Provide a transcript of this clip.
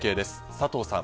佐藤さん。